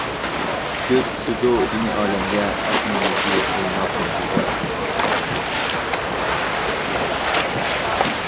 كۆز قىسىدۇ جىمى ئالەمگە، ئاسماندىكى ئويناق يۇلتۇزلار.